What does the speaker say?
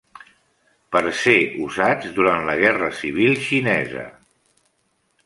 Per ser usats durant la Guerra civil xinesa.